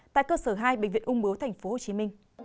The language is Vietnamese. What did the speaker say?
tại cơ sở hai bệnh viện ung bướu tp hcm